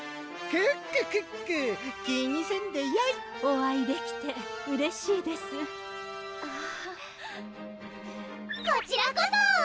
クッククック気にせんでよいお会いできてうれしいですこちらこそ！